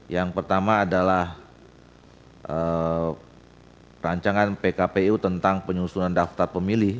yang pertama adalah rancangan pkpu tentang penyusunan daftar pemilih